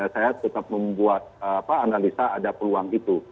saya tetap membuat analisa ada peluang itu